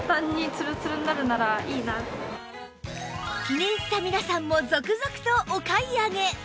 気に入った皆さんも続々とお買い上げ